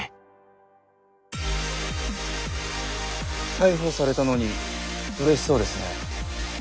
逮捕されたのにうれしそうですね。